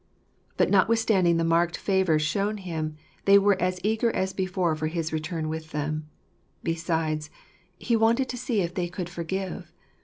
But notwithstanding the marked favour shown him, they were as eager as before for his return with them. Besides, he wanted to see if they could forgive.